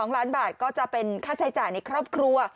๒ล้านบาทก็จะเป็นค่าใช้จ่ายในครอบครัว